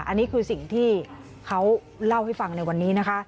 อันนี้คือสิ่งที่เขาเล่าให้ฟังในวันนี้นะคะ